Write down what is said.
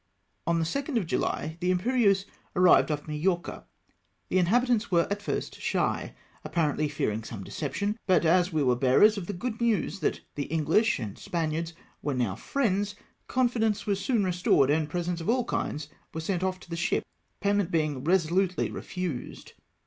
On the 2nd of July the Imperieuse arrived off Ma jorca. The inliabitants were at first shy, apparently fearing some deception, but as we were bearers of the good news that the Enghsh and Spaniards were now friends, confidence was soon restored, and presents of all kinds were sent off to the ship, papnent being resolutely refrised.